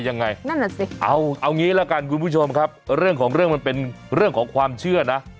ยังไงนั่นแหละสิเอาเอางี้ละกันคุณผู้ชมครับเรื่องของเรื่องมันเป็นเรื่องของความเชื่อนะ